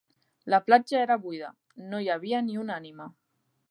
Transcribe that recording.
La platja era buida: no hi havia ni una ànima.